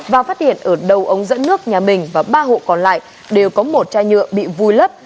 và phát hiện ở đầu ống dẫn nước nhà mình và ba hộ còn lại đều có một chai nhựa bị vùi lấp